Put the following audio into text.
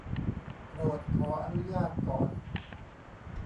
โปรดขออนุญาตก่อน